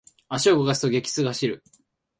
足を動かすと、激痛が走る。